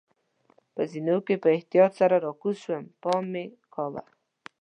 په زینو کې په احتیاط سره راکوز شوم، پام مې کاوه.